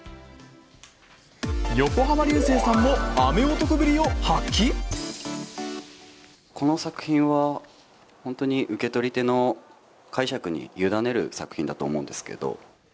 横浜流星さんも雨男ぶりを発この作品は、本当に受け取り手の解釈に委ねる作品だと思うんですけど。